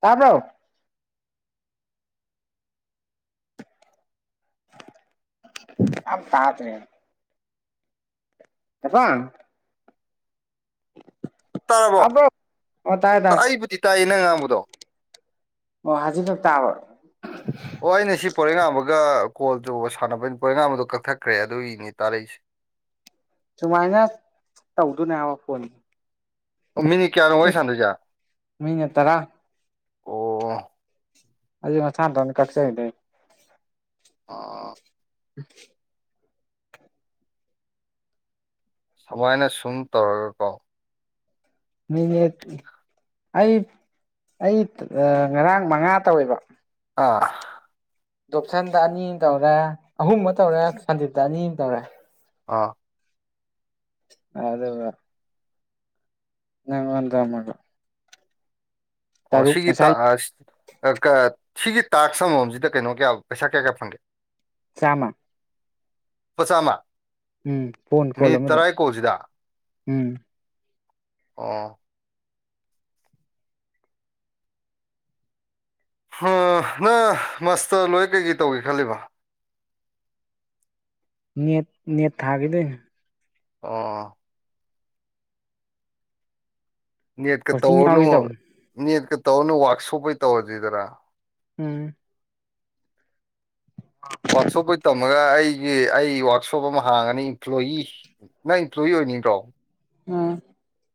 ꯇꯥꯕ꯭ꯔꯣ ꯑ ꯇꯥꯗ꯭ꯔꯦ ꯖꯄꯥꯟ ꯇꯥꯔꯕꯣ ꯇꯥꯕ꯭ꯔꯣ ꯑꯣ ꯇꯥꯏ ꯇꯥꯏ ꯑꯩꯕꯨꯗꯤ ꯇꯥꯏꯌꯦ ꯅꯪ ꯉꯥꯡꯕꯗꯣ ꯑꯣ ꯍꯧꯖꯤꯛꯈꯛ ꯇꯥꯕ ꯑꯣ ꯑꯩꯅ ꯁꯤ ꯄꯣꯏꯔꯩꯉꯥꯟꯕ ꯒ ꯀꯣꯜ ꯇꯧꯕ ꯁꯥꯟꯅꯕꯩꯅꯤ ꯄꯣꯏꯔꯩꯉꯥꯟꯕꯗꯣ ꯀꯛꯊꯛꯈ꯭ꯔꯦ ꯑꯗꯨꯒꯤꯅꯤ ꯇꯥꯔꯛꯏꯁꯦ ꯁꯨꯃꯥꯏꯅ ꯇꯧꯗꯨꯅꯦ ꯍꯥꯏꯕ ꯐꯣꯟ ꯃꯤꯅꯤꯠ ꯀꯌꯥꯅꯣ ꯋꯥꯔꯤ ꯁꯥꯟꯃꯗꯨꯏꯖꯦ ꯑꯣ ꯃꯤꯅꯠ ꯇꯔꯥ ꯑꯗꯨ ꯃꯁꯥ ꯃꯊꯟꯇ ꯀꯛꯆꯒꯤꯗꯣꯏꯅꯤ ꯑꯥ [inaudible] ꯁꯨꯃꯥꯏꯅ ꯁꯨꯝ ꯇꯧꯔꯒꯀꯣ ꯃꯤꯅꯤꯠ ꯑꯩ ꯑꯩ ꯑ ꯉꯔꯥꯡ ꯃꯉꯥ ꯇꯧꯋꯦꯕ ꯑ ꯗꯣꯞꯁꯟꯗ ꯑꯅꯤꯝ ꯇꯧꯔꯦ ꯑꯍꯨꯝꯃ ꯇꯧꯔꯦ ꯁꯟꯗꯤꯞꯇ ꯑꯅꯤꯝ ꯇꯧꯔꯦ ꯑꯥ ꯑꯗꯨꯒ ꯅꯪꯉꯣꯟꯗ ꯑꯃꯒ ꯇꯔꯨꯛ ꯑꯣꯁꯤꯒꯤ ꯇ ꯉꯁꯥꯏ ꯑ ꯀ ꯁꯤꯒꯤ ꯇꯥꯛꯁ ꯑꯃꯃꯝꯁꯤꯗ ꯀꯩꯅꯣ ꯀꯌꯥ ꯄꯩꯁꯥ ꯀꯌꯥ ꯀꯌꯥ ꯐꯪꯒꯦ ꯆꯥꯝꯃ ꯄꯆꯥꯝꯃ ꯎꯝ ꯐꯣꯟ ꯀꯣꯜ ꯃꯤꯅꯤꯠ ꯑꯃꯗ ꯇꯔꯥꯏ ꯀꯣꯜꯁꯤꯗ ꯎꯝ ꯑꯣ ꯅꯪ ꯃꯥꯁꯇꯔ ꯂꯣꯏꯔ ꯀꯩꯀꯩ ꯇꯧꯒꯦ ꯈꯜꯂꯤꯕ ꯅꯦꯠ ꯅꯦꯠ ꯊꯥꯒꯤꯗꯣꯏꯅꯤ ꯑꯣ ꯅꯦꯠꯀ ꯀꯣꯆꯤꯡ ꯌꯥꯎꯒꯦ ꯇꯧꯔꯅꯨ ꯇꯧꯕꯅꯦ ꯅꯦꯠꯀ ꯇꯧꯅ ꯋꯥꯛꯁꯣꯞ ꯑꯣꯏ ꯇꯧꯔꯖꯤꯗꯅ ꯎꯝ ꯋꯥꯛꯁꯣꯞ ꯑꯣꯏ ꯇꯝꯃꯒ ꯑꯩ ꯑꯩ ꯑꯩ ꯋꯥꯋꯔꯛꯁꯣꯞ ꯑꯃ ꯍꯥꯡꯉꯅꯤ ꯏꯝꯄ꯭ꯂꯣꯌꯤ ꯅꯪ ꯏꯝꯄ꯭ꯂꯣꯌꯤ ꯑꯣꯏꯅꯤꯡꯕ꯭ꯔꯣ ꯑꯥ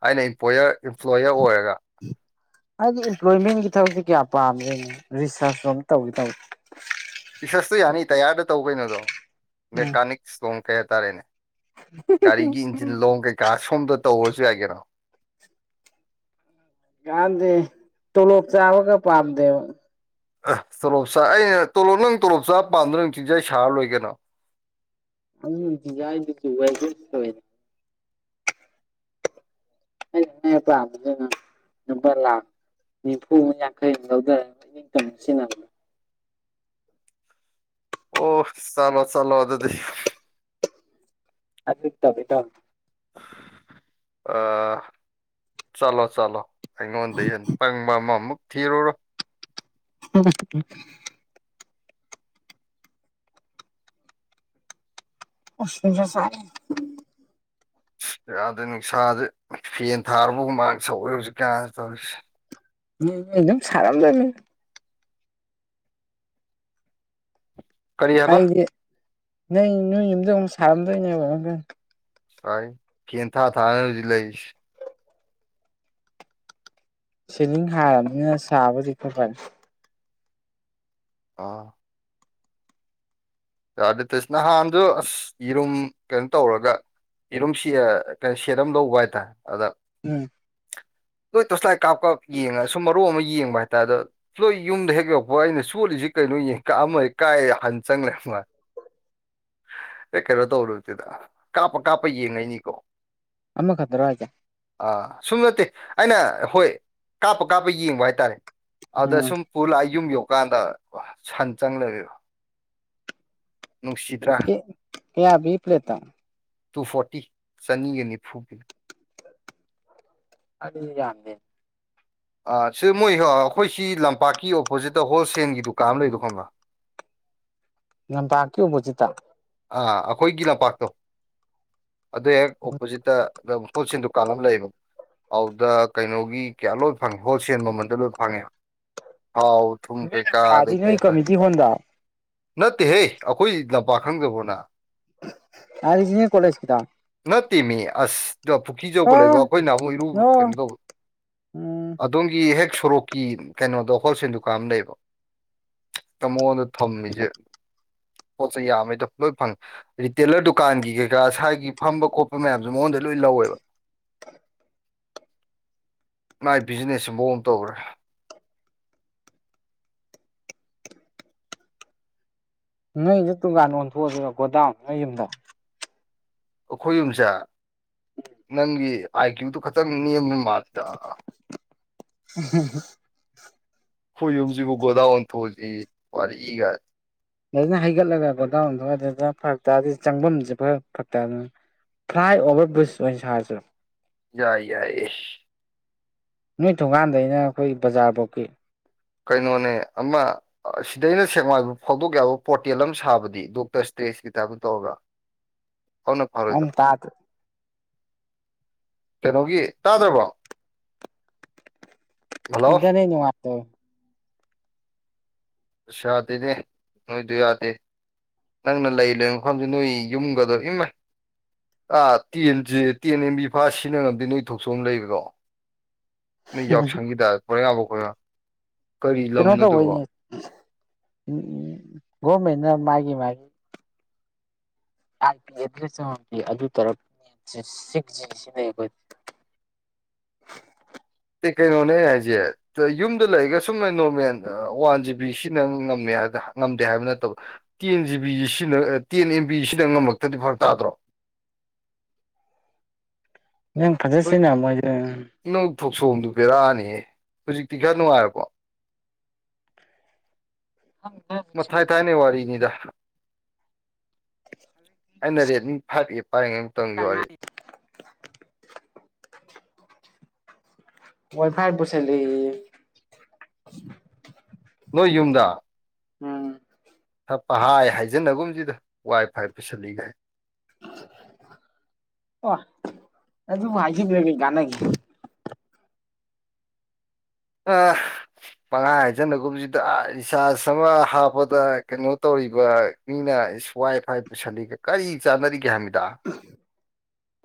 ꯑꯩꯅꯄ꯭ꯂꯣꯌꯔ ꯏꯝꯄ꯭ꯂꯣꯌꯔ ꯑꯣꯏꯔꯒ ꯍꯥꯏꯗꯤ ꯏꯝꯄ꯭ꯂꯣꯏꯃꯦꯟꯒꯤ ꯊꯕꯛꯁꯦ ꯀꯌꯥ ꯄꯥꯝꯃꯤ ꯔꯤꯁꯥꯔꯁꯣꯝ ꯇꯧꯋ ꯇꯧꯏ ꯄꯁꯁꯇ ꯌꯥꯅꯤ ꯇꯌꯥꯔꯗ ꯇꯧ ꯀꯩꯅꯣꯗꯣ ꯎꯝ ꯃꯦꯀꯥꯅꯤꯛ ꯁꯣꯝ ꯀꯩ ꯍꯥꯏꯇꯥꯔꯦꯅꯦ ꯒꯥꯔꯤꯒꯤ ꯏꯟꯖꯤꯟ ꯂꯣꯡ ꯀꯩꯀꯥ ꯁꯣꯝꯗ ꯇꯧꯁꯨ ꯌꯥꯏꯒꯦꯔ ꯀꯥꯟꯗ ꯇꯨꯂꯣ ꯆꯥꯕꯒ ꯄꯥꯝꯗꯦꯕ ꯑ ꯇꯣꯂꯣꯞꯆꯥ ꯑꯩꯅ ꯇꯣꯂꯣꯞ ꯅꯪ ꯇꯣꯂꯣꯞꯆꯥ ꯄꯥꯝꯗꯨ ꯅꯪ ꯆꯤꯟꯖꯩ ꯁꯥꯔ ꯂꯣꯏꯒꯅꯣ ꯎꯝ ꯌꯥꯏꯗ ꯑꯣꯏꯏ ꯀ ꯑꯩꯅ ꯄꯥꯝꯕꯅꯤꯅ ꯂꯨꯄꯥ ꯂꯥꯈ ꯅꯤꯐꯨ ꯑꯃ ꯌꯥꯡꯈꯩ ꯑꯃ ꯂꯧꯊꯔꯒ ꯏꯝ ꯁꯤꯟꯅꯕꯅꯦ ꯑꯣ ꯆꯂꯣ ꯆꯂꯣ ꯑꯗꯨꯗꯤ ꯑꯗꯨ ꯏ ꯇꯕ ꯇꯣ ꯑ ꯆꯂꯣ ꯆꯂꯣ ꯑꯩꯉꯣꯟꯗ ꯍꯟꯅ ꯄꯪꯕ ꯑꯃꯃꯨꯛ ꯊꯤꯔꯨꯔꯣ ꯍ [inaudible] ꯔꯦ [unintelligible] ꯌꯥꯗ ꯅꯨꯡꯁꯥꯗ ꯐꯦꯟ ꯊꯥꯔꯔꯕꯒꯨꯝ ꯃꯥ ꯁꯧꯋꯦ ꯍꯧꯖꯤꯛ ꯀꯌꯥ ꯇꯧꯔꯤꯁꯦ ꯝ ꯁꯔꯝꯗ ꯀꯔꯤꯍꯕ ꯅ ꯅꯣꯏ ꯏꯗꯨꯛ ꯁꯥꯔꯝꯗꯣꯏꯅꯦꯕ ꯁꯥꯏ ꯀꯦ ꯊꯥ ꯊꯥꯅꯖ ꯂꯣꯏꯁ ꯁꯦꯅꯤꯡ ꯍꯥꯔꯕꯅꯤꯅ ꯁꯥꯕꯨꯗꯤ ꯈꯔ ꯐꯔꯦ ꯑꯥ ꯇꯁ ꯅꯍꯥꯟꯗ ꯑꯁ ꯌꯦꯔꯨꯝ ꯀꯩꯅꯣ ꯇꯧꯔꯒ ꯌꯦꯔꯨꯝ ꯀꯩꯅꯣ ꯁꯦꯠ ꯑꯃ ꯂꯧꯕ ꯍꯥꯏꯇꯥꯔꯦ ꯑꯗ ꯎꯝ ꯇꯣꯏ ꯇꯁ ꯂ ꯀꯥꯞ ꯀꯥꯞ ꯌꯦꯡꯉ ꯁꯨꯝ ꯃꯔꯨ ꯑꯃ ꯌꯦꯡꯕ ꯍꯥꯏꯇꯥꯔꯗꯣ ꯁꯣꯏ ꯌꯨꯝꯗ ꯍꯦꯛ ꯌꯧꯛꯄ ꯑꯩꯅ ꯁꯣꯠꯜꯂꯤꯁꯤ ꯀꯩꯅꯣ ꯌꯦꯡ ꯀꯝ ꯑꯩ ꯀꯥꯏ ꯍꯥꯟꯟ ꯆꯪꯂꯦ ꯑꯦ ꯀꯩꯅꯣ ꯇꯧꯔꯨꯁꯤꯗ ꯀꯥꯞꯄ ꯀꯥꯞꯄ ꯌꯦꯡꯉꯩꯅꯤꯀꯣ ꯑꯃ ꯈꯗꯔꯣ ꯔꯖ ꯑꯥ ꯁꯨꯝ ꯅꯠꯇꯦ ꯑꯩꯅ ꯍꯣꯏ ꯀꯥꯞꯄ ꯀꯥꯞꯄ ꯌꯦꯡꯕ ꯍꯥꯏꯇꯥꯔꯦ ꯎꯝ ꯑꯗꯁꯨꯝ ꯐꯨꯜꯏꯒꯨꯝ ꯌꯣ ꯗꯨꯀꯥꯟꯗ ꯁꯟ ꯆꯪ ꯂꯩ ꯅꯨꯡꯁꯤꯗ꯭ꯔꯥ ꯀꯕꯤꯞ ꯂꯩꯦꯇ ꯇꯨ ꯐꯣꯔꯇꯤ ꯆꯅꯤꯒ ꯅꯤꯐꯨꯒꯤ ꯑ ꯌꯥꯗ ꯁꯤ ꯃꯣꯏ ꯑꯩꯈꯣꯏꯁꯤ ꯂꯝꯄꯥꯛꯀꯤ ꯑꯣꯄꯣꯖꯤꯠꯇ ꯍꯣꯜꯁꯦꯜꯒꯤ ꯗꯨꯀꯥꯟ ꯑꯃ ꯂꯩꯗꯣ ꯈꯪꯕ꯭ꯔꯥ ꯌꯥꯝ ꯇꯥꯀꯤꯕ ꯆꯤꯇ ꯑꯥ ꯑꯩꯈꯣꯏꯒꯤ ꯂꯝꯄꯥꯛꯇꯣ ꯑꯗꯨ ꯍꯦꯛ ꯑꯣꯄꯣꯖꯤꯠꯇ ꯑꯗꯨ ꯍꯣꯜꯁꯦꯜ ꯗꯨꯀꯥꯟ ꯑꯃ ꯂꯩꯌꯦꯕ ꯑꯗꯨꯗ ꯀꯩꯅꯣꯒꯤ ꯀꯌꯥ ꯂꯣꯏ ꯐꯪꯉꯦ ꯍꯣꯜꯁꯦꯜ ꯃꯃꯜꯗ ꯂꯣꯏ ꯐꯪꯉꯦ ꯊꯥꯎ ꯊꯨꯝ ꯀꯩꯀꯥ ꯑꯗꯩ ꯀꯗꯤꯅ ꯀꯩ ꯍꯥꯏꯇꯥꯔꯦ ꯀꯃꯤ ꯆ ꯍꯗ ꯅꯠꯇꯦꯍꯦ ꯑꯩꯈꯣꯏ ꯂꯝꯄꯥꯛ ꯈꯪꯒꯕꯣꯅ ꯑ ꯏꯅꯤ ꯀꯂꯦꯖꯀꯤꯗ ꯅꯠꯇꯦꯃꯤ ꯑꯁ ꯄꯨꯈ꯭ꯔꯤ ꯑꯆꯧꯕ ꯂꯩꯕ ꯑꯩꯈꯣꯏ ꯅꯍꯍꯣꯏ ꯏꯔꯨ ꯀꯩꯅꯣ ꯇꯧꯕ ꯎꯝ ꯑꯗꯣꯝꯒꯤ ꯍꯦꯛ ꯁꯣꯔꯣꯛꯀꯤ ꯀꯩꯅꯣꯗꯣ ꯍꯣꯜꯁꯦꯜ ꯗꯨꯀꯥꯟꯝ ꯂꯩꯕ ꯃꯉꯣꯟꯗ ꯊꯝꯃꯤꯁꯦ ꯄꯣꯠꯁꯦ ꯌꯥꯝꯃꯦ ꯂꯣꯏ ꯐꯪꯉꯦ ꯔꯤꯇꯦꯂꯔ ꯗꯨꯀꯥꯟꯒꯤ ꯀꯩꯀꯥ ꯁꯥꯏꯒꯤ ꯐꯝꯕ ꯈꯣꯠꯄ ꯃꯌꯥꯝꯁꯨ ꯃꯉꯣꯟꯗ ꯂꯣꯏ ꯂꯧꯋꯦꯕ ꯃꯥꯏ ꯕꯤꯖꯤꯅꯦꯁꯁꯦ ꯃꯑꯣꯥꯎ ꯑꯃ ꯇꯧꯈ꯭ꯔꯦ ꯅꯣꯏꯗ ꯇꯨꯡꯀꯥꯟ ꯑꯣꯟꯊꯣꯛꯑꯁꯤꯔ ꯒꯣꯗꯥꯎ ꯅꯣꯏ ꯌꯨꯝꯗ ꯑꯩꯈꯣꯏ ꯌꯨꯝꯁꯦ ꯅꯪꯒꯤ ꯑꯥꯏ ꯀ꯭ꯌꯨꯗꯨꯣ ꯈꯈꯤꯇꯪ ꯅꯦꯝ ꯃꯥꯊ ꯎꯝ ꯍꯨ ꯌꯨꯝꯁꯤꯕꯨꯒꯣꯗꯥꯟ ꯊꯣꯁꯤ ꯋꯥꯔꯤꯔꯒ ꯑꯗꯨꯖꯅ ꯍꯩꯒꯠꯂꯒ ꯒꯣꯗꯥꯎꯟꯗꯨ ꯑꯗꯨꯅ ꯐꯔꯛ ꯇꯥꯔꯗꯤ ꯆꯪꯐꯝꯁꯦ ꯐꯔ ꯐꯔꯛꯇꯥꯗꯅ ꯐ꯭ꯂꯥꯏ ꯑꯣꯚꯔ ꯕ꯭ꯔꯤꯖ ꯑꯣꯏꯅ ꯁꯥꯔꯁꯨ ꯌꯥꯏ ꯌꯥꯏ ꯅꯣꯏ ꯊꯣꯡꯀꯥꯟꯗꯩꯅ ꯑꯩꯈꯣꯏ ꯕꯖꯥꯔ ꯐꯧꯀꯤ ꯀꯩꯅꯣꯅꯦ ꯑꯃ ꯁꯤꯗꯩꯅ ꯁꯦꯡꯃꯥꯏꯕ ꯐꯥꯎꯗꯣꯛ ꯌꯥꯕ ꯄꯣꯔꯇꯦꯜ ꯑꯃ ꯁꯥꯕꯗꯤ ꯗꯣꯛꯇꯔꯁ ꯇꯦꯁꯀꯤ ꯇꯥꯏꯞꯇ ꯇꯧꯔꯕ꯭ꯔꯥ ꯑꯣꯝ ꯇꯥꯇꯦ ꯀꯩꯅꯣꯒꯤ ꯇꯥꯗ꯭ꯔꯕꯣ ꯍꯜꯂꯣ ꯏꯇꯅꯤ ꯅꯅꯨꯡꯉꯥꯏꯇꯣ ꯑꯁ ꯌꯥꯗꯦꯅꯦ ꯅꯣꯏꯗ ꯌꯥꯗꯦ ꯅꯪꯅ ꯂꯩ ꯂꯩꯣꯏ ꯃꯐꯝꯁꯦ ꯅꯣꯏ ꯌꯨꯝꯒꯗꯣ ꯏꯃ ꯑꯥ ꯇꯦꯟꯁꯦ ꯇꯦꯟ ꯑꯦꯝꯕꯤ ꯐꯥ ꯁꯤꯟꯅ ꯉꯝꯗꯦ ꯅꯣꯏ ꯊꯣꯛꯆꯣꯑꯝ ꯂꯩꯕꯀꯣ ꯅ ꯌꯛ ꯁꯪꯒꯤꯤꯗ ꯀꯒꯕꯈ ꯀꯔꯤ ꯂꯝꯅꯣꯗꯨꯕ ꯎꯝ ꯣꯃꯦꯟꯅ ꯃꯥꯒꯤꯦ ꯃꯥꯒꯤ ꯑꯥꯏ ꯄꯤꯗ ꯑꯗꯨ ꯇꯔ ꯁꯤ ꯀꯩꯅꯣꯅꯦ ꯑꯩ ꯍꯥꯏꯁꯦ ꯌꯨꯝꯗ ꯂꯩꯔꯒ ꯁꯨꯝꯅ ꯅꯣꯔꯃꯦꯜ ꯋꯥꯟ ꯖꯤ ꯕꯤ ꯁꯤꯅ ꯉꯝꯃꯦ ꯉꯝꯗꯦ ꯍꯥꯏꯕ ꯅꯠꯇꯕ ꯇꯦꯟ ꯖꯤꯕꯤ ꯁꯤꯅ ꯇꯦꯟ ꯑꯦꯝ ꯕꯤ ꯁꯤꯅ ꯉꯝꯃꯛꯇ꯭ꯔꯗꯤ ꯐꯔꯛ ꯇꯥꯗ꯭ꯔꯣ ꯅꯪ ꯐꯖꯠꯁꯤꯅ ꯃꯣꯏꯗ ꯁꯣꯝꯗꯨ ꯄꯤꯔꯛꯑꯅꯤꯍ ꯍꯧꯖꯤꯛꯇꯤ ꯈꯔ ꯅꯨꯡꯉꯥꯏꯄꯣ ꯃ ꯊ ꯊꯥꯏꯅꯦ ꯋꯥ ꯋꯥꯔꯤꯅꯦ ꯌꯥ ꯑꯗꯨ ꯑꯩꯅꯔꯦꯅꯤ ꯐꯥꯔ ꯄꯔꯉꯝ ꯇꯣꯡ ꯋꯥꯔꯤꯦ ꯋꯥꯏ ꯋꯥꯏ ꯐꯥꯏ ꯄꯨꯁꯜꯂꯛꯑꯦꯌꯦ꯫ ꯅꯣꯏ ꯌꯨꯝꯗꯥ꯫ ꯎꯝ꯫ ꯍꯥ ꯄꯥꯍꯥꯏꯖꯤꯟꯅꯒꯨꯝꯁꯤꯗ ꯋꯥꯏ ꯐꯥꯏ ꯄꯨꯁꯤꯜꯂꯤꯒꯥꯏ꯫ ꫭꯑ ꯑꯗꯨ ꯍꯥꯏꯖꯤꯟꯅ ꯀꯩ ꯀꯥꯟꯅꯒꯦ꯫ ꯑ ꯄꯪꯍꯥꯏ ꯍꯥꯏꯖꯟꯅꯒꯨꯝꯁꯤꯗ ꯔꯤꯆꯥꯔꯖ ꯑꯃ ꯍꯥꯞꯄꯗ ꯀꯩꯅꯣ ꯇꯧꯔꯤꯕ ꯃꯤꯅ ꯏꯁ ꯋꯥꯏ ꯐꯥꯏ ꯄꯨꯁꯤꯜꯂꯤꯒ ꯀꯔꯤ ꯆꯥꯟꯅꯔꯤꯒꯦ ꯍꯥꯏꯃꯤ꯫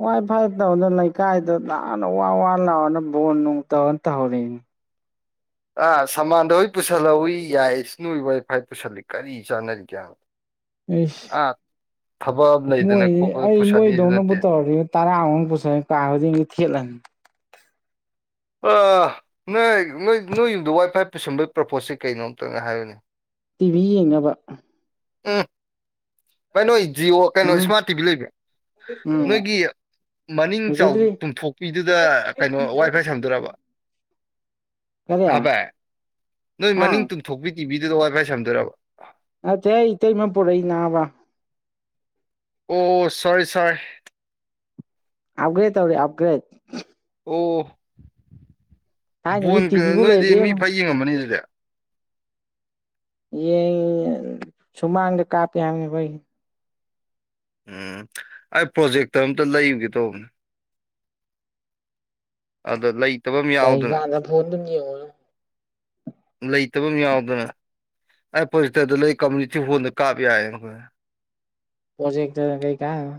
ꯋꯥꯏ ꯐꯥꯏ ꯇꯧꯗ ꯂꯩ꯫ ꯀꯥꯏꯗꯣ ꯅꯍꯥꯟꯅ ꯋꯥ ꯋꯥ ꯂꯥꯎꯔꯅ ꯕꯣꯟ ꯅꯨꯡ ꯇꯧꯅ ꯇꯧꯍꯧꯔꯤꯅꯤ꯫ ꯑ ꯁꯃꯥꯟꯗꯨ ꯍꯣꯏ ꯄꯨꯁꯜꯍꯧꯋꯤ ꯌꯥꯏ ꯏꯁ ꯅꯨꯏ ꯋꯥꯏꯐꯥꯏ ꯄꯨꯁꯜꯂꯤ ꯀꯔꯤ ꯆꯥꯅꯔꯤꯒꯦ ꯍꯥꯏꯕ ꯫ ꯑꯁ ꯑꯃ ꯂꯩꯗꯅ ꯃꯣꯏꯗꯤ ꯈꯣꯠꯄꯗ ꯑꯩ ꯄꯨꯁꯜꯂꯤꯁꯨ ꯃꯣꯏꯗꯧꯅꯕꯨ ꯅꯠꯇꯦ ꯇꯧꯔꯗꯤ ꯇꯔꯥꯃꯨꯛ ꯄꯨꯁꯜ ꯀꯥ ꯁꯤꯡꯗ ꯊꯦꯠꯂꯅꯤ꯫ ꯑꯥ ꯅꯣꯏ ꯅꯣꯏ ꯅꯣꯏ ꯌꯨꯝꯗ ꯋꯥꯏꯐꯥꯏ ꯄꯨꯁꯟꯕꯒꯤ ꯄ꯭ꯔꯣꯄꫭꯁꯠꯁꯤ ꯀꯩꯅꯣ ꯑꯝꯇꯪ ꯍꯥꯏꯌꯨꯅꯦ꯫ ꯇꯤꯚꯤ ꯌꯦꯡꯅꯕ꯫ ꯎꯝ꯫ ꯕꯥꯏꯅꯣꯏ꯫ ꯖꯤꯑꯣ ꯀꯩꯅꯣ ꯎꯝ ꯏꯁꯃꯥꯔꯠ ꯇꯤꯚꯤ ꯂꯩꯕ꯭ꯔ ꯎꯝ ꯅꯣꯏꯒꯤ ꯃꯅꯤꯡ ꯆꯥꯎ ꯂꯨꯖꯗ꯭ꯔꯤ ꯇꯨꯝꯊꯣꯛꯄꯤꯗꯨꯗ ꯀꯩꯅꯣ ꯋꯥꯏ ꯐꯥꯏ ꯁꯝꯗꯣꯏꯔꯕ꯫ ꯀꯔꯤ ꯍꯕꯥꯏ ꯅꯣꯏ ꯍꯥ ꯃꯅꯤꯡ ꯇꯨꯡꯊꯣꯛꯄꯤ ꯇꯤꯚꯤꯗꯨꯗ ꯋꯥꯏ ꯐꯥꯏ ꯁꯝꯗꯣꯏꯔꯕ꯫ ꯅꯠꯇꯦꯍꯦ ꯏꯇꯩꯃ ꯄꯨꯔꯛꯏ ꯅꯥꯕ꯫ ꯑꯣ ꯁꯣꯔꯤ ꯁꯣꯔꯤ꯫ ꯑꯞꯒ꯭ꯔꯦꯠ ꯇꯧꯔꯦ ꯑꯞꯒ꯭ꯔꯦꯠ꯫ ꯑꯣ꯫ ꯊꯥꯏꯅꯗꯤ ꯕꯣꯟ ꯀ ꯇꯤꯚꯤꯕꯨ ꯅꯣꯏꯗꯤ ꯃꯤ ꯂꯩꯇꯦꯕꯣ ꯐꯥꯟ ꯌꯦꯡꯉꯝꯑꯅꯤ ꯑꯗꯨꯗꯤ꯫ ꯌꯦꯡ ꯁꯨꯃꯥꯡꯗ ꯀꯥꯞꯄꯦ ꯍꯥꯏꯝꯅꯦ ꯑꯩꯈꯣꯏꯒꯤ꯫ ꯎꯝ ꯑꯩ ꯄ꯭ꯔꯣꯖꯦꯛꯇ ꯑꯝꯇ ꯂꯩꯔꯨꯒꯦ ꯇꯧꯕꯅꯦ꯫ ꯑꯗ ꯂꯩ ꯀꯩ ꯀꯥꯟꯗ ꯐꯣꯟꯗꯨ ꯌꯦꯡꯉꯣ꯫ ꯂꯩꯇꯕ ꯑꯃ ꯌꯥꯎꯗꯅ ꯑꯩ ꯄ꯭ꯔꯣꯖꯦꯛꯇꯔꯗ ꯂꯩ ꯀꯝꯃꯨꯅꯤꯇꯤ ꯍꯣꯜꯗ ꯀꯥꯞ ꯌꯥꯏ ꯑꯩꯈꯣꯢ꯫ ꯄ꯭ꯔꯣꯖꯦꯛꯇꯒ ꯀꯩ ꯀꯟꯅꯝ ꯅꯣ꯫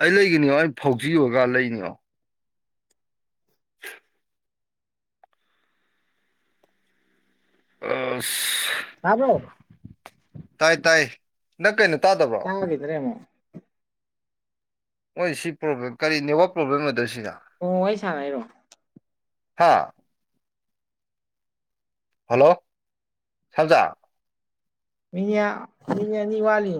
ꯑꯩ ꯂꯩꯒꯅꯤꯉꯣ ꯑꯩ ꯐꯧꯖꯤ ꯑꯣꯏꯔꯒ ꯂꯩꯅꯤꯉꯣ꯫ [unintelligible] ꯑꯥꯁ ꯇꯥꯕ꯭ꯔꯣ꯫ ꯇꯥꯥꯏ ꯇꯥꯏ ꯅꯪ ꯀꯩꯅꯣ ꯇꯥꯗꯕ꯭ꯔꯣ ꯇꯥꯒꯤꯗ꯭ꯔꯦ ꯑꯃꯨꯛ ꯫ ꯍꯣꯏ ꯁꯤ ꯄ꯭ꯔꯣꯕ꯭ꯂꯦꯝ ꯀꯔꯤ ꯅꯦꯠꯋꯥꯛ ꯄ꯭ꯔꯣꯕ꯭ꯂꯦꯝ ꯑꯣꯏꯗꯣꯏꯔ ꯁꯤꯖꯦ꯫ ꯑꯣ ꯋꯥꯔꯤ ꯁꯥꯟꯅꯩꯔꯣ꯫ ꯍꯥꯥ꯫ ꯍꯜꯂꯣ ꯁꯅꯝꯆꯥ꯫ ꯃꯤꯅꯤꯋꯥ ꯃꯤꯅꯤꯠ ꯑꯅꯤ ꯋꯥꯠꯂꯤ꯫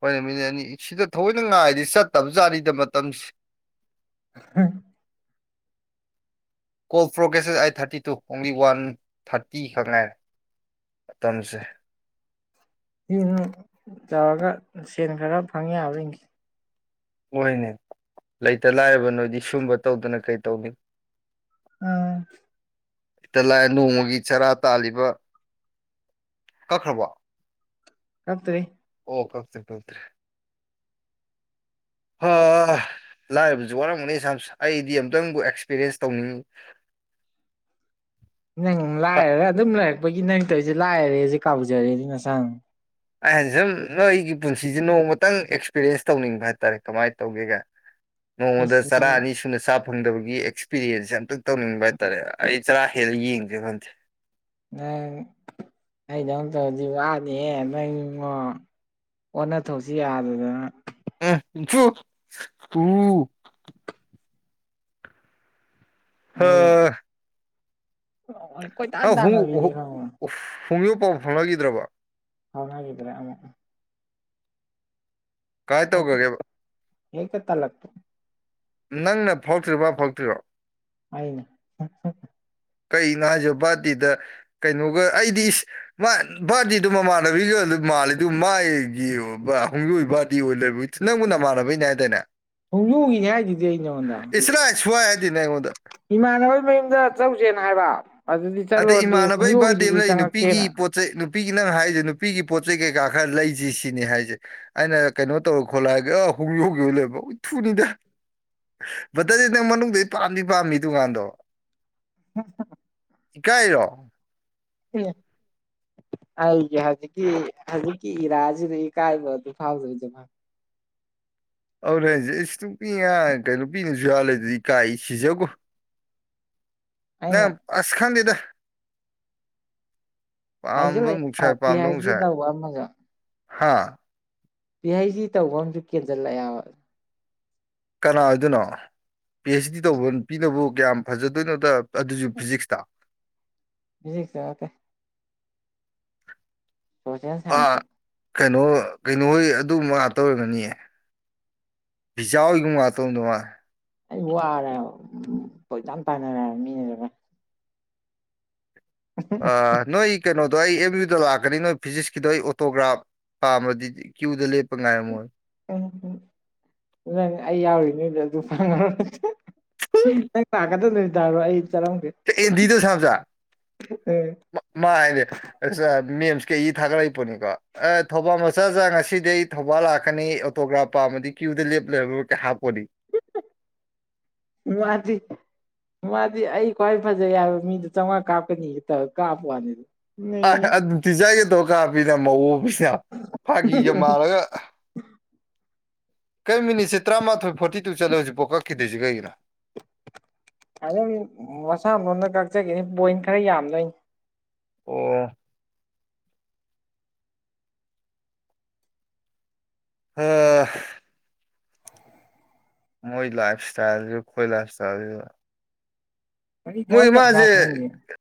ꯍꯣꯏꯅꯦ ꯃꯤꯅꯤꯠ ꯑꯅꯤ ꯁꯤꯗ ꯊꯣꯏꯅ ꯉꯥꯏꯗꯤ ꯆꯠꯇꯕꯖꯥꯠꯅꯤꯗ ꯃꯇꯝꯁꯦ꯫ ꯍꯥ call progresses eight thirty two ꯑꯣꯡꯂꯤ ꯋꯥꯟ ꯊꯥꯔꯇꯤ ꯈꯛ ꯉꯥꯏꯔꯦ ꯃꯇꯝꯁꯦ ꯏ ꯇꯧꯔꯒ ꯁꯦꯟ ꯈꯔ ꯐꯪꯉꯤ ꯌꯥꯕ ꯍꯣꯏꯅꯦ ꯂꯩꯇ ꯂꯥꯏꯔꯕ ꯅꯣꯏꯗꯤ ꯁꯨꯝꯕ ꯇꯧꯗꯅ ꯀꯩꯇꯧꯅꯤ ꯑꯥ ꯍꯇꯂꯥꯏ ꯅꯣꯡꯃꯒꯤ ꯆꯔꯥ ꯇꯥꯜꯂꯤꯕ ꯀꯛꯈ꯭ꯔꯕꯣ ꯀꯑꯀꯇꯔꯤ ꯑꯣ ꯀꯞꯁꯦ ꯐꯜꯇ꯭ꯔꯦ ꯂꯥꯏꯔꯕꯁꯨ ꯋꯥꯔꯝꯒꯅꯤ ꯏꯁꯥ ꯑꯩꯗꯤ ꯑꯝꯇꯪꯕꯨ ꯑꯦꯛꯁꯄꯤꯔꯤꯌꯦꯟꯁ ꯇꯧꯅꯤꯡꯉꯤ ꯅꯪ ꯂꯥꯏꯔꯦ ꯑꯗꯨꯝ ꯂꯩ ꯑꯩꯈꯣꯏꯒꯤ ꯅꯪ ꯇ ꯑꯩꯁꯦ ꯂꯥꯛꯑꯔꯦꯁꯦ ꯀꯥꯎꯖꯔꯦꯗꯤ ꯅꯁꯥꯡ ꯑꯩ ꯁꯨꯝ ꯅꯣꯏ ꯑꯩꯒꯤ ꯄꯨꯟꯁꯤꯁꯦ ꯅꯣꯡꯃꯇꯪ ꯑꯦꯛꯁꯄꯤꯔꯤꯌꯦꯟꯁ ꯇꯧꯅꯤꯡꯕ ꯍꯥꯏꯇꯥꯔꯦ ꯀꯃꯥꯏꯅ ꯇꯧꯒꯦꯒ ꯅꯣꯡꯗ ꯏꯁ ꯆꯔꯥ ꯅꯪ ꯑꯅꯤꯁꯨꯅ ꯆ ꯐꯪꯗꯕꯒꯤ ꯑꯦꯛꯁꯄꯤꯔꯤꯌꯦꯟꯁꯁꯦ ꯑꯝꯇꯛ ꯇꯧꯅꯤꯡꯕ ꯍꯥꯏꯇꯥꯔꯦ ꯑꯩ ꯆꯔꯥ ꯍꯦꯜꯂ ꯌꯦꯡꯁꯤꯔꯥ ꯈꯪꯗꯦ ꯅꯪ ꯑꯩꯗ ꯇꯧꯗꯤ ꯋꯥꯅꯤꯍꯦ ꯅꯪ ꯏꯉꯣ ꯑꯣꯟꯅ ꯊꯣꯛꯁꯤ ꯌꯥꯗꯗꯅ ꯑ ꯆꯣ ꯎ ꯍ ꯑ ꯍ ꯣꯏ ꯇ ꯊꯗꯥꯒꯕꯤꯅꯤ ꯈ ꯐꯣꯡꯌꯣꯛ ꯄꯥꯎ ꯐꯪꯂꯅꯈꯤꯗ꯭ꯔꯕ ꯍꯥꯎꯅꯗ꯭ꯔꯦ ꯑꯃꯨꯛ ꯀꯥꯏ ꯇꯧꯈꯒꯦꯕ ꯍ ꯊ ꯂꯒ ꯇ ꯅꯪꯅ ꯐꯥꯎꯇ꯭ꯔꯤꯕ꯭ꯔ ꯐꯥꯎꯇ꯭ꯔꯤꯔꯤꯕꯣ ꯑꯅꯦ ꯀꯩꯅꯣ ꯍꯥꯏꯁ ꯕꯥꯥꯔꯇꯤꯗ ꯀꯩꯅꯣꯒ ꯑꯩꯗꯤ ꯏꯁ ꯃꯥ ꯚꯥꯔꯇꯤꯗꯨ ꯃꯃꯥꯟꯅꯕꯤꯒ ꯑꯗꯨꯝ ꯃꯥꯂꯦ ꯑꯗꯨ ꯃꯥꯒꯤ ꯑꯍꯨꯝꯒꯤ ꯑꯣꯏ ꯕꯥꯔꯇꯤ ꯑꯣꯏ ꯂꯩꯕ ꯅꯪꯕꯨ ꯅꯃꯥꯟꯅꯕꯩꯅꯦ ꯍꯥꯏꯇꯥꯅꯦ ꯍꯣꯡꯖꯨꯒꯤꯅꯤ ꯍꯥꯏꯗꯨꯗꯤ ꯑꯩ ꯅꯉꯣꯟꯗ ꯅꯦꯉꯣꯟꯗ ꯏꯃꯥꯟꯅꯕꯒꯤ ꯃꯌꯨꯝꯗ ꯆꯧꯁꯦꯅ ꯍꯥꯏꯕ ꯑꯗꯨꯗꯤ ꯑꯗꯩ ꯆꯠꯂꯨꯔꯗꯤ ꯏꯃꯥꯟꯅꯕꯩ ꯕꯥꯔꯗꯦ ꯍꯣꯃꯣꯒꯤꯗꯨꯁꯨ ꯑꯃ ꯂꯩ ꯆꯪꯉꯛꯁꯦꯅ ꯅꯨꯄꯤꯒꯤ ꯄꯣꯠ ꯆꯩ ꯅꯨꯄꯤꯒꯤ ꯅꯪ ꯍꯥꯏꯔꯤꯁꯦ ꯅꯨꯄꯤꯒꯤ ꯄꯣꯠ ꯆꯩ ꯀꯩꯀꯥ ꯈꯔ ꯂꯩꯁꯤ ꯁꯤꯅꯤ ꯍꯥꯏꯁꯦ ꯑꯩꯅ ꯀꯩꯅꯣ ꯇꯧꯔ ꯈꯣꯠꯂꯛꯑꯒꯦ ꯑ ꯍꯧ ꯍꯧꯈꯤꯕ ꯂꯣꯏꯕ ꯎ ꯊꯨꯅꯤꯗ ꯕꯇꯔꯁꯦ ꯅꯪ ꯃꯅꯨꯡꯗ ꯄꯥꯝꯗꯤ ꯄꯥꯝꯃꯤ ꯗꯨꯀꯥꯟꯗꯣ [unintelligible] ꯏꯀꯥꯏꯔꯣ ꯑꯩꯒꯤ ꯍꯧꯖꯤꯛꯀꯤ ꯍꯧꯖꯤꯛꯀꯤ ꯏꯔꯥꯁꯤꯗꯒꯤ ꯀꯥꯏꯕ ꯑꯗꯨ ꯐꯥꯎꯗꯣꯏꯁꯕ ꯑꯗꯨꯔꯦ ꯍꯧꯁꯦ ꯑꯩꯁꯨ ꯅꯨꯄꯤꯤꯉ ꯀꯩꯅꯣ ꯄꯤꯅꯁꯨ ꯌꯥꯜꯂꯦ ꯑꯗꯨꯗꯤ ꯀꯥꯏ ꯁꯤꯖꯒꯣ ꯅ ꯑꯩꯅ ꯑꯁ ꯈꯥꯟꯗꯗ [inaudible] ꯍꯥꯏꯖꯤꯜꯂꯛ ꯑꯃꯨꯛ ꯄꯤ ꯑꯩꯩꯆ ꯗꯤ ꯇꯧꯕ ꯑꯃꯁꯨ ꯍꯥꯥ ꯄꯤ ꯍꯩ ꯗꯤ ꯇꯧꯕ ꯑꯃꯁꯨ ꯀꯦꯟꯖꯜꯂꯛꯑꯦꯕ ꯀꯅꯥ ꯑꯣꯏꯗꯣꯏꯅꯣ ꯄꯤ ꯑꯩꯆ ꯗꯤ ꯇꯧꯕ ꯄꯤꯗꯕꯨ ꯀꯌꯥꯝ ꯐꯖꯗꯣꯏꯅꯣꯗ ꯑꯗꯨꯁꯨ ꯐꯤꯖꯤꯛꯁꯇ ꯖꯤꯁ ꯀꯦ ꯁꯣꯁꯦꯜ ꯑꯥ ꯁꯥꯏꯟꯁ ꯀꯩꯅꯣ ꯀꯩꯅꯣꯍꯣꯏ ꯑꯗꯨꯕ ꯉꯥꯛꯇꯧꯔꯒꯅꯤꯌꯦ ꯤꯖꯥ ꯍꯣꯏꯒꯨꯝꯕ ꯉꯥꯛꯇꯧꯗꯧ ꯃꯥꯂ ꯑꯩ ꯋꯥꯔꯦ ꯄꯣꯏꯁꯝ ꯇꯥꯏꯅꯔꯦ ꯃꯤꯅꯔꯔ ꯑ ꯅꯣꯏ ꯀ ꯅꯣ ꯑꯗꯣ ꯑꯩ ꯑꯦꯝ ꯌꯨ ꯗ ꯂꯥꯛꯀꯅꯤ ꯅꯣꯏ ꯐꯤꯖꯤꯛꯁꯀꯤꯗꯣ ꯑꯩ ꯑꯣꯇꯣꯒ꯭ꯔꯥꯐ ꯄꯥꯝꯃꯗꯤ ꯀ꯭ꯌꯨꯗ ꯂꯦꯞ ꯎꯝ ꯎꯝ ꯅꯪ ꯑꯩ ꯌꯥꯎꯔꯤꯅꯦ ꯐꯉꯣꯏ ꯅꯪ ꯇꯥꯛꯀꯗꯗꯇꯥꯔꯣ ꯑꯩ ꯆꯠꯂꯝꯒꯦ ꯑꯦꯟꯗꯤꯗ ꯁꯥꯕꯖ ꯃꯥ ꯍꯥꯏꯅꯦꯦꯝ ꯀꯩ ꯊꯥꯒꯠꯂꯛꯏꯄꯅꯤꯀꯣ ꯑꯦ ꯊꯧꯕꯥꯜ ꯃꯆꯥꯖ ꯉꯁꯤꯗꯩ ꯊꯧꯕꯥꯜ ꯂꯥꯛꯀꯅꯤ ꯑꯣꯇꯣꯒ꯭ꯔꯥ ꯄꯥ ꯑꯃꯗꯤ ꯀ꯭ꯌꯨꯗ ꯂꯦꯞꯂꯒ ꯀ ꯍꯥꯞꯄꯅꯤ ꯃꯥꯗꯤ ꯃꯥꯗꯤ ꯑꯩ ꯈ꯭ꯋꯥꯏ ꯐꯖꯩ ꯍꯥꯏꯕ ꯃꯤꯗꯣ ꯆꯥꯝꯃꯉꯥ ꯀꯥꯞꯀꯅꯤ ꯀꯥꯞꯄ ꯋꯥꯅꯤꯗ ꯑ ꯅꯩ ꯑꯗꯨꯗꯤꯤꯖꯥꯏꯒꯦꯗꯧꯀꯥ ꯄꯤꯅ ꯃꯑꯣ ꯄꯤꯅ ꯐꯥꯒꯤꯒ ꯃꯥꯜꯂꯒ ꯀꯩ ꯃꯤꯅꯤꯠꯁꯦ ꯇꯔꯥꯃꯥꯊꯣꯏ ꯐꯣꯔꯇꯤ ꯇꯨ ꯆꯠꯂꯦ ꯍꯧꯖꯤꯛꯐꯥꯎ ꯀꯛꯈꯤꯗꯣꯏꯁꯤ ꯀꯒꯤꯣ ꯍꯥꯏꯗ ꯃꯁꯥ ꯂꯣꯝꯗ ꯀꯛꯆꯒꯦꯅꯤ ꯄꯣꯏꯟ ꯈꯔ ꯌꯥꯝꯗꯣꯏꯅꯤ ꯑꯣ ꯍ ꯃꯣꯏ ꯂꯥꯏꯐ ꯏꯁꯇꯥꯏꯜꯁꯨ ꯑꯩꯣꯏ ꯂꯥꯏꯐ ꯏꯁꯇꯥꯏꯜꯁꯨ ꯃꯣꯏ ꯃꯥꯁꯦ [unintelligible]